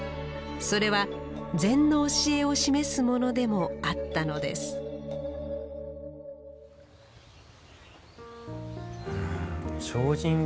それは禅の教えを示すものでもあったのです精進